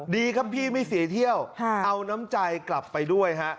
ดีครับพี่ไม่เสียเที่ยวเอาน้ำใจกลับไปด้วยฮะ